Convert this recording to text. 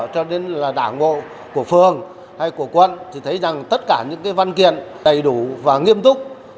cho đến là đảng ngộ của phương hay của quân thì thấy rằng tất cả những cái văn kiện đầy đủ và nghiêm túc